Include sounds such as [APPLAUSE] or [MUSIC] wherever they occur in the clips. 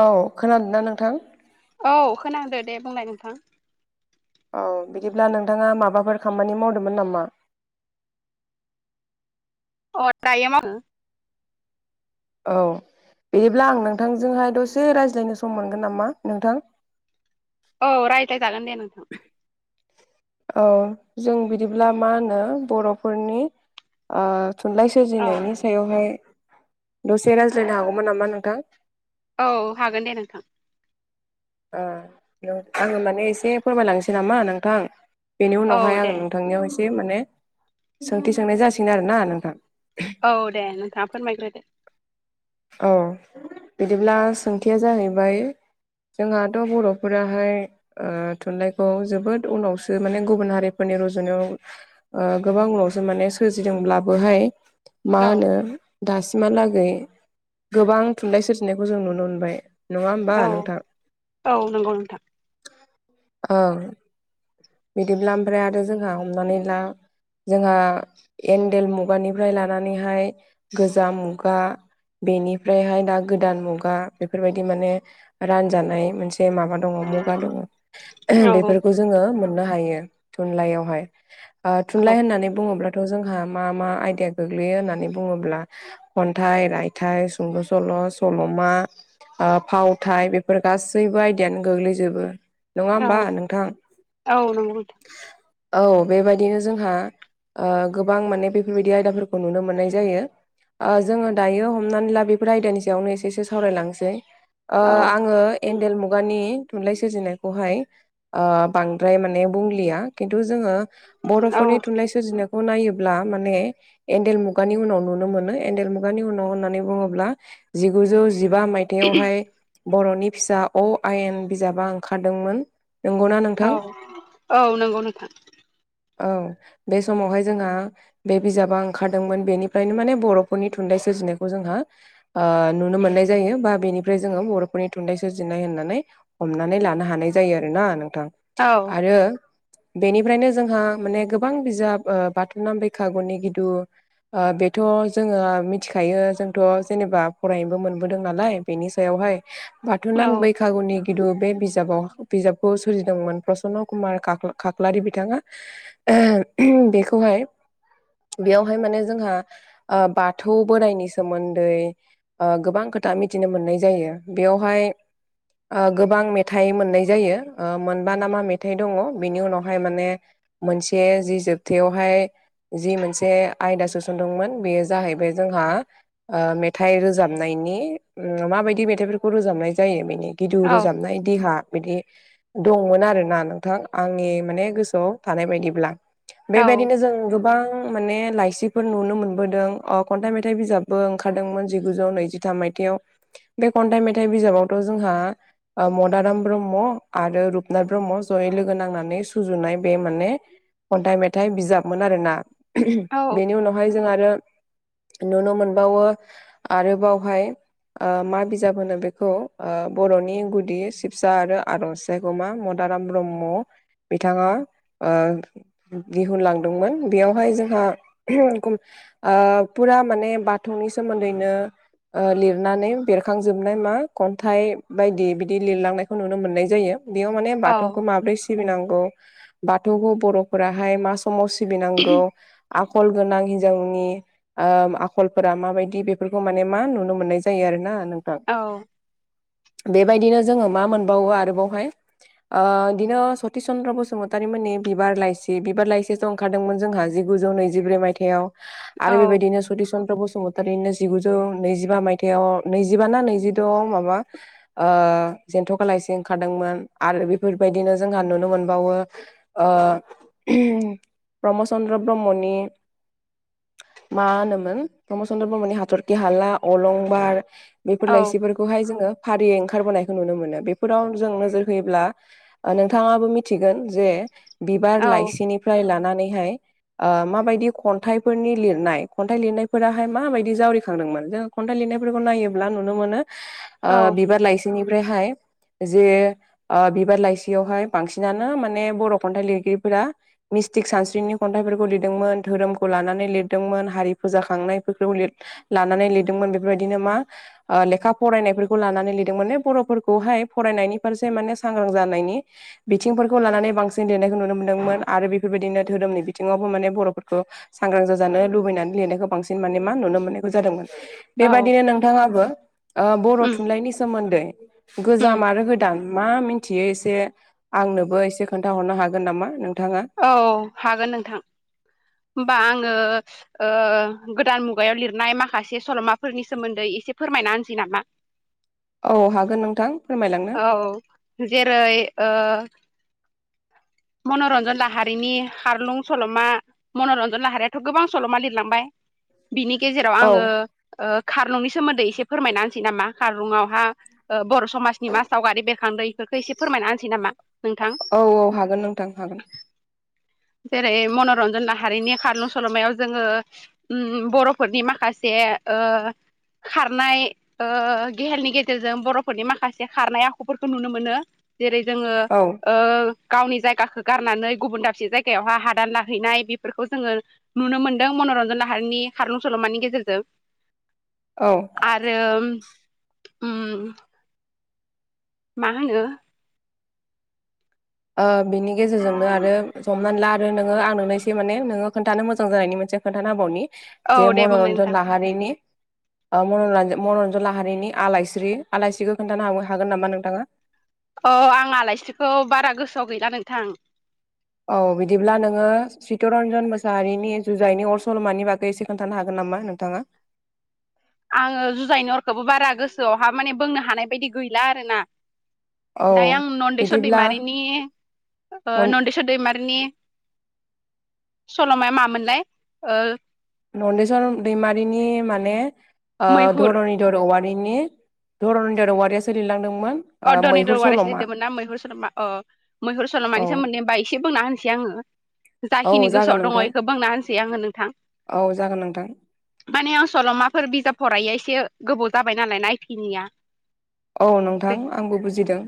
औ खोनादोंना नोंथां औ खोनांदो दे बुंलाय नोंथां औ बिदिब्ला नोंथाङा माबाफोर खामानि मावदोमोन नामा? अ दायो मावदों। औ बिदिब्ला आं नोंथांजोंहाय दसे रायज्लायनो सम मोनगोन नामा नोंथां। औ राय्लाइ जागोन दे नोंथां। [UNINTELLIGIBLE] औ जों बिदिब्ला मा होनो बर'फोरनि ओ थुनलाइ सो औ सोरजिनायनि सायावहाय दसे रायज्लायनो हागौमोन नामा नोंथां। औ हागोन दे नोंथां। ओ आङो माने एसे फोरमायलांनोसै नामा नोंथां। बेनि औ उनावहाय दे आं नोंथांनियाव एसे माने सोंथि सोंनाय जासिगोन आरोना नोंथां? औ दे नोंथाङा फोरमायग्रोदो। औ बिदिब्ला सोंथिया जाहैबाय जोंहाथ' बर'फोराहाय ओ थुनलाइखौ जोबोद उनावसो माने गुबुन हारिफोरनि रुजुनायाव ओ गोबां उनावसो माने सोरजिदोंब्लाबोहाय मा औ होनो दासिमहालागै गोबां थुनलाइ सोरजिनायखौ जों नुनो मोनबाय नङा होमबा औ नोंथां। औ नंगौ नोंथां औ बिदिब्ला ओमफ्राय आरो जोंहा हमनानै ला जोंहा एनडेल मुगानिफ्राय लानानैहाय गोजाम मुगा बेनिफ्रायहाय दा गोदान मुगा बेफोरबायदि माने रानजानाय मोनसे माबा दङ मुं आ दङ औ बेफोरखौ जोङो मोननो हायो थुनलाइयावहाय। आ औ थुनलाइ होननानै बुङोब्लाथ' जोंहा मा मा आइदाया गोग्लैयो होननानै बुङोब्ला खन्थाइ, रायथाइ, सुंद' सल, ' सल'मा आ फावथाय बेफोर गासैबो आयदायानो गोग्लैजोबो नङा होमबा औ नोंथां। औ नंगौदे औ बेबायदिनो जोंहा ओ गोबां माने बेफोरबायदि आयदाफोरखौ नुनो मोननाय जायो। जोङो दायो हमनानै ला बेफोर आयदानि सायावनो एसे एसो सावरायलांनोसै ओ औ आङो एन्डेल मुगानि थुनलाइ सोरजिनायखौहाय बां द्राय माने बुंलिया खिन्थु जोङो बर'फोरनि औ थुनलाइ सोरजिनायखौ नायोब्ला माने एन्डेल मुगानि उनाव नुनो मोनो एनडेल मुगानि उनाव होननानै बुङोब्ला जिगुजौ जिबा माय थायावहाय बर'नि फिसा अ आयेन बिजाबा ओंखारदोंमोन। नंगौना नोंथां? औ औ नंगौ नोंथां। औ बे समावहाय जोंहा बे बिजाबा ओंखारदोंमोन बेनिफ्रायनो माने बर'फोरनि थुनलाइ सोरजिनायखौ जोंहा नुनो मोननाय जायो बा बेनिफ्राय जोङो बर'फोरनि थुनलाइ सोरजिनाय होननानै हमनानै लानो हानाय जायो आरोना नोंथां औ आरो बेनिफ्रायनो जोंहा माने गोबां बिजाब बाथौ नाम बेैखागुनि गिदु बेथ' जोङो मिथिखायो जोंथ' जेनेबा फरायनोबो मोनबोदों नालाय बेनि सायावहाय औ बाथोनाम बैखागुनि गिदु बे बिजाबाव बिजाबखौ सोरजिदोंमोन। प्रसन्न कुमार खाख्लारि बिथाङा बेखौहाय बेयावहाय माने जोंहा बाथौ बोराइनि सोमोन्दै गोबां खोथा मिथिनो मोननाय जायो बेयावहाय गोबां मेथाइ मोननाय जायो। मा ना मा मेथाइ दङ बेनि उनावहाय माने मोनसे जि जोबथायावहाय जि मोनसे आयदा सोसनदोंमोन बेयो जाहैबाय जोंहा मेथाइ रोजाबनायनि माबायदि मेथाइफोरखौ रोजाबनाय जायो बेनि गिदु औ रोजाबनाय देहा बिदि दंमोन आरोना नोंथां आंनि माने गोसोआव थानाय बायदिब्ला औ बेबायदिनो जों गोबांय माने लाइसिफोर नुनो मोनबोदों खन्थाइ मेथाइ बिजाबबो ओंखारदोंमोन जिगुजौ नैजिथाम मायथाइयाव बे खन्थाइ मेथाइ बिजाबावथ' जोंहा मदाराम ब्रह्म आरो रुपनाथ ब्रह्म जयै लोगो नांनानै सुजुनाय बे माने खन्थाइ मेथाइ बिजाबमोन आरोना औ बेनि उनावहाय जों आरो नुनो मोनबावो आरोबावहाय मा बिजाब होनो बेखौ बर'नि गुदि सिबसा आरो आरज मदाराम ब्रह्म बिथाङा दिहुनलांदोंमोन बेयावहाय जोंहा फुरा माने बाथौनि सोमोन्दैनो लिरनानै बेरखांजोबनाय मा खन्थाइ बायदि बिदि लिरलांनायखौ नुनो मोननाय जायो। बेयाव माने औ बाथौखौ माब्रै सिबिनांगौ बाथौखौ बर'फोराहाय मा समाव सिबिनांगौ आखल गोनां हिनजावनि आखलफोरा माबायदि बेफोरखौ माने मा नुनो मोननाय जायो आरोना नों बेबायदिनो जोङो मा मोनबावो आरोबावहाय बिदिनो सति चन्द्र बसुमतारि मोननि बिबार लाइसि बिबार लाइसिस' ओंखारदोंमोन जोंहा जिगुजौ नैजि जिब्रै मायथाइयाव आरो औ बेबायदिनो सति चन्द्र बसुमतारी थारैनो जिगुजौ नैजिबा मायथयाव नैजिबा ना नैजिद' माबा जेन्थ'खा लायसि ओंखारदोंमोन आरो बेफोरबायदिनो जोंहा नुनो मोनबावो। प्रमद चन्द्र ब्रह्मनि मा होनोमोन प्रमद चन्द्र ब्रह्मनि हाथरखि हाला अलंबार बेफोर लाइसिफोरखौहाय जोङो फारियै ओंखारबोनायखौ नुनो मोनो बेफोराव जों नोजोर नोंथांबो मोनथिगोन जे बिबार औ लाइसि फ्राय लानानैहाय। माबायदि खन्थाइफोरनि लिरनाय खन्थाइ लिरनायफोराहाय माबायदि जावरिखांदोंमोन जों खन्थाइ लिरनायफोरखौ नायोब्ला नुनो मोनो औ बिबार लाइसिनिफ्रायहाय जे बिबार लाइसियावहाय बांसिनानो माने बर' खन्थाइ लिरगिरिफोरा। मिस्टिक सानस्रिनाय खन्थाइफोरखौ लिरदोंमोन धोरोमखौ लानानै लिरदोंमोन हारि फोजाखांनायफोरखौ। लानानै लिरदोंमोन बेफोरबायदिनो मा लेखा फरायनायफोरखौ लानानै लिरदोंमोनो बर'फोरखौहाय फरायनायनि फारसे माने सांग्रां जानायनि बिथिंफोरखौ लानानै बांसिन देरनायखौ नुनो मोन्दोंमोन आरो बेफोरबायदिनो धोरोमनि बिथिङावबो माने बर'फोरखौ सांग्रां जाजानो लुबैनानै लिरनायखौ बांसिन माने मा नुनो मोननायखौ जादोंमोन। औ बेबादिनो नोंथाङाबो बर' उम थुनलाइनि सोमोन्दै उम गोजाम आरो गो गोदान मा मिथियो एसे आंनोबो एसे खोन्थाहरनो हागोन नामा नोंथाङा? औ हागोन नोंथां होमबा आङो गोदान मुगायाव लिरनाय माखासे सल'माफोरनि सोमोन्दै एसे फोरमायना होनसै नामा औ हागोन नोंथां फोरमायलांनो औ जेरै मन'रन्जन लाहारिनि हारलुं सल'मा मनरन्जन लाहारियाथ' गोबां सल'मा लिरलांबाय बिनि गेजेराव औ आङो खारलुंनि सोमोन्दै एसे फोरमायना होनोसै नामा खारलुंआवहा बर' समाज निमा सावगारि बेरखांदों बेफोरखौ एसे फोरमायना होनसै नामा नोंथां औ औ हागोन नोंथां हागोन? जेरै मन'रन्जन नाहारिनि खारलुं सल'मायाव जोङो उम बर'फोरनि माखासे खारनाय ओ गेहेलनि गेजेरजों बर'फोरनि माखासे खारनाय आखुफोरखौ नुनो मोनो जेरै जोङो औ गावनि जायगाखौ गारनानै गुबुन दाबसे जायगा बेयावहाय हादान लाहैनाय बेफोरखौ जोङो नुनो मोन्दों मनरन्जन लाहारिनि खारलुं सल'मानि गेजेरजों औ। आरो उम मा होनो बिनि गेजेरजोंनो आरो हमनानै ला आरो नोङो आं नोंनायस माने नोङो खोनन्थानो मोजां जानायनि मोनसे खोनथाबौनि औ जे दे बुंलाय नोंथां मनरन्जन लाहारिनि मनरन्जन लाहारिनि आलायस्रि आलायस्रिखौ खोनथानो हागोन नामा नोंथाङा? अ आं आलायसिखौ बारा गोसोआव गैला नोंथां औ बिदिब्ला नोङो चितरन्जन मोसाहारिनि जुजाइनि अर सल'मानि बागै एसे खोन्थानो हागोन नामा नोंथाङा? आङो जुजायनि अरखौबो बारा गोसोआवहा माने बुंनो हानाय बायदि गैला आरोना औ दायो आं नन्देस्वर बिदिब्ला दैमारिनि मन नन्देस्वर दैमारिनि सल'माया मामोनलाय? ओ नन्देसर दैमारिनि माने मैहुर धर'नि औवारिनि धरनन्जर औवारियासो लिरलांदोंमोन। ओ अ धनि दर मैहुर वारायसो सल'मा लिरदोंमोन ना मैहुर सल'मा अ मैहुर औ सल'मानि सोमोन्दै होमबा एसे बुंना होनोसै आङो औ जाखिनि गोसोआव जागोन दङ नोंथां बेखौ बुंना होनसै आङो नोंथां औ जागोन नोंथां माने आं सल'माफोर बिजाब फराया एसे गोबाव जाबाय नालाय नायफैनाया औ नोंथां आंबो बुजिदों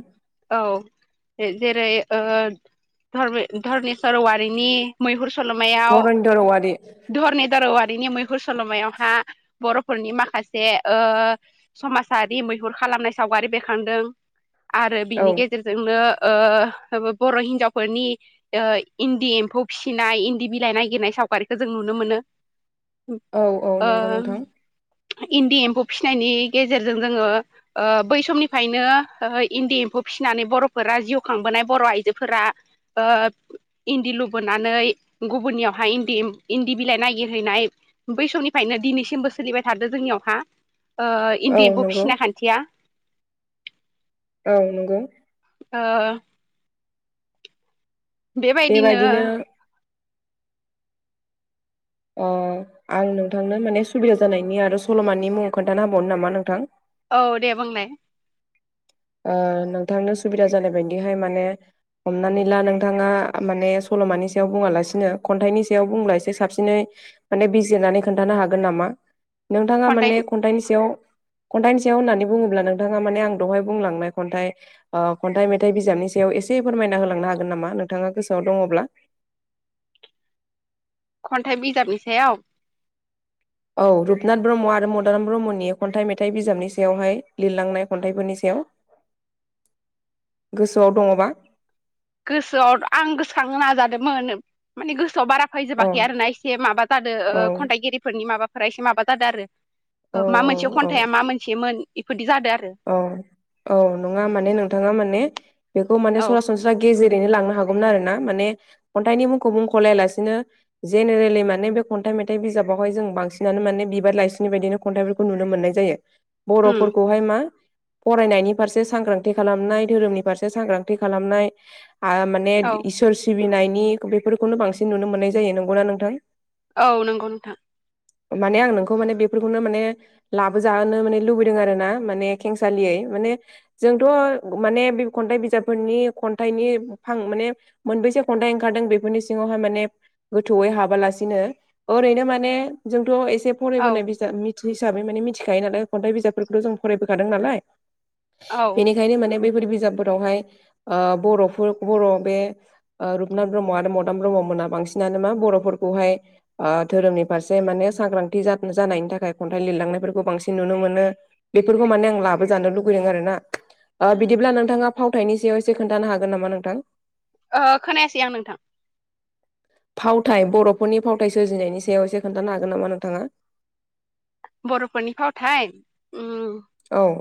औ जेरै ओ [UNINTELLIGIBLE] धरनेस्वर औवारिनि मैहुर सल'मायाव धरनिधर औवारि धरनिधर वारिनि मैहुर सल'मायावहा बर'फोरनि माखासे ओ समाजारि मैहुर खालामनाय सावगारि बेखांदों आरो औ बिनि गेजेरजों जोंनो ओ बर' हिन्जावफोरनि ओ इन्दि एम्फौ फिसिनाय इन्दि बिलाइ नागिरनाय सावगारिखौो जों नुनो मोनो [INAUDIBLE] औ औ ओ नंगौ नोंथां इन्दि एम्फौ फिसिनायनि गेजेरजों जोङो ओ बै समनि ओंखायनो इन्दि एम्फौ फिसिनानै बर'फोरा जिउ खांबोनाय बर' आइजोफोरा ओ इन्दि लुबोनानै गुबुननियावहाय इन्दि इन्दि बिलाइ नागिरहैनाय बै समनिफ्रायनो दिनैसिमबो सोलिबाय थादो जोंनियावहा ओ औ इन्दि एम्फौ नंगौ फिसिना खान्थिया। औ नंगौ ओ बेबायदिनो अ आं नोंथांनो माने सुबिदा जानायनि आरो सल'मानि मुंङाव खोन्थानो हाबावनो नामा नोंथां औ दे बुंलाय नोंथांनो सुबिदा जानाय बायदिहाय माने हमनानै ला नोंथाङा माने सल'मानि सायाव बुंङा लासिनो खन्थाइनि सायाव बुंलासे साबसिनै माने बिजिरनानै खोन्थानो हागोन नामा? नोंथाङा खन्थाइ माने खन्थाइनि सायाव खन्थाइनि सायाव होननानै बुङोब्ला नोंथाङा माने आं दहाय बुंलांनाय खन्थाइ ओ खन्थाइ मेथाइ बिजाबनि सायाव एसे फोरमायना होलांनो हागोन नामा नोंथाङा गोसोआव दङब्ला? खन्थाइ बिजाबनि सायाव औ रुपनाथ ब्रह्म आरो मदाराम ब्रह्मनि खन्थाइ मेथाइ बिजाबनि सायावहाय लिरलांनाय खन्थाइफोरनि सायाव गोसोआव दङबा गोसोआव आं गोसोखांनो नाजादोंमोन माने गोसोआव बारा औ फैजोबाखै आर ना एसे माबा जादों औ खन्थाइगिरिफोरनि माबाफोरा एसे माबा जादों आरो। औ मा मोनसे औ खन्थाइा मा मोनसेमोन बेफोरदि जादों आरो। औ औ नंङा माने नोंथाङा माने बेखौ माने औ सरास स सनस्रा गेजेरैनो लांनो हागौमोन आर ना माने खन्थाइनि मुंखौ मुंख'लायालासिनो जेनेरेलि माने बे खन्थाइ मेथाइ बिजाबावहाय जों बांसिनानो माने बिबार लाइसिनि बायदिनो खन्थाइफोर खौ नुनो मोननाय जायो उम बर'फोरखौहाय मा फरायनायनि फारसे सांग्रांथि खालामनाय धोरोमनि फारसे सांग्रांथि खालामनाय आ माने ए औ इसोर सिबिनायनि बेफोरखौनो बांसिन नुनो मोननाय जायो। नंगौना नोंथां? औ नंगौ नोंथां। माने आं नोंखौ माने बेफोरखौनो माने लाबोजाहोनो माने लुबैदों आरो ना माने खेंसालियै माने जोंथ' माने बे खन्थाइ बिजाबफोरनि खन्थाइनि फां माने मोनबैसे खन्थाइ ओंखारदों बेफोरनि सिङावहाय माने गोथौयै हाबालासिनो ओरैनो माने जोंथ' एसे औ फरायबोनाय बिजाब मिथि हिसाबै माने मिथिखायो नालाय खन्थाइ बिजाबफोरखौथ' जों फरायबोखादों नालाय औ ओ बेनिखायनो माने बैफोर बिजाबफोरावहाय ओ बर'फोर बर' बे ओ रुपनाथ ब्रह्मआ आरो मदाम ब्रह्ममोना बांसिनानो मा बर'फोरखौहाय ओ धोरोमनि फारसे माने सांग्रांथि जानायनि थाखाय खन्थाइ लिरलांनायफोरखौ बांसिन नुनो मोनो। फोरखौ माने आं लाबो जानो लुुबैदों आरोना बिदिब्ला नोंथाङा फावथायनि सायाव एसे खोन्थानो हागोन नामा नोंथां? खोनायासै आं नोंथां फावथाय बर'फोरनि फावथाय सोरजिनायनि सायाव एसे खोनन्थानो हागोन नामा नोंथाङा? बर'फोरनि फावथाय ओम औ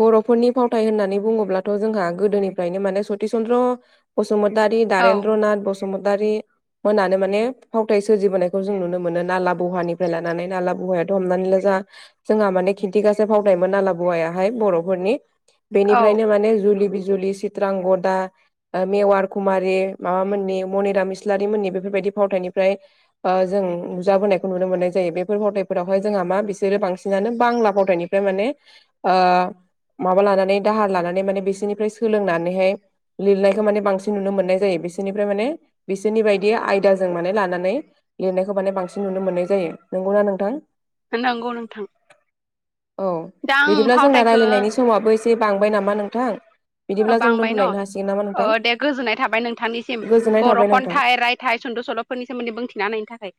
बर'फोरनि फावथाय होननानै बुङोब्लाथ' जोंहा गोदोनिफ्रायनो माने सति चन्द्र बसुमतारि औ दारेन्द्र नाथ बसुमतारि मोनानो माने फावथाय सोरजिबोनायखौ जों नुनो मोनो नाला बहानिफ्राय लानानै नाला बहायाथ' हमनानै ला जा जोंहा माने खिन्थिगाससे फावायमोन आलाबौवाया। हाय बर'फोरनि औ बेनिफ्रायनो माने जुलि बिजुलि सिथ्रां गदा मेवार कुमारि माबाम मोननि मनिराम मिस्लारि मोननि बेफोरबायाददि फावथायनिफ्राय जों नुजाबोनायखौ नुनो मोननाय जायो। बेफोर फावथायफोरावहाय जोंहा मा बिसोरो बांसिनानो बांला फावथायाइनि फ्राय माने माबा लानानै दाहार लानानै माने बिसोरनिफ्राय सोलोंनानैहाय लिरनायखौ माने बांसिन नुनो मोननाय जायो बिसोरनिफ्राय माने बिसोरनि बायदि आयदाजों माने लानानै लिरनायखौ माने बांसिन नुनो मोननाय जायो नंगौना नोंथां नंगौ नोंथां औ दा आं बिदिब्ला जोंना फावथायखो रायलायनायनि समाबो एसे बांबाय नामा नोंथां बिदिब्ला जों बांबाय न दोन्थ'लायनो हासिगोन नामा अ नोंथां? दे गोजोननाय थाबाय नोंथांनिसिम गोजोननाय बर' थाबाय नोंथां। खन्थाइ राइ थाय सुंद'ल'फोर सोमोन्दै बुंथिना होनायनि थाखाय।